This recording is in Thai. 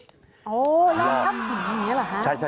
อ๋อรอดท้องหินแบบนี้เหรอฮะ